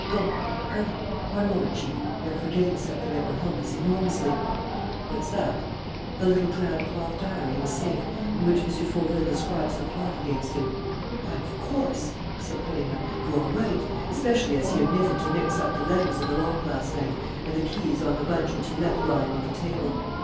Go! Hurry!" "One moment, Chief; we are forgetting something that will help us enormously." "What's that?" "The little drab cloth diary in the safe, in which M. Fauville describes the plot against him." "Why, of course!" said Perenna. "You're right ... especially as he omitted to mix up the letters of the lock last night, and the key is on the bunch which he left lying on the table."